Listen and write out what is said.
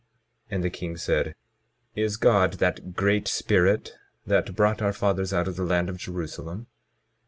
22:9 And the king said: Is God that Great Spirit that brought our fathers out of the land of Jerusalem?